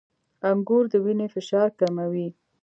• انګور د وینې فشار کموي.